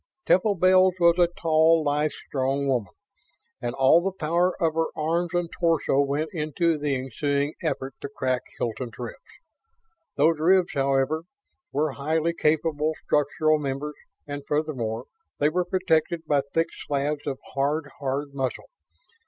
Temple Bells was a tall, lithe, strong woman; and all the power of her arms and torso went into the ensuing effort to crack Hilton's ribs. Those ribs, however, were highly capable structural members; and furthermore, they were protected by thick slabs of hard, hard muscle.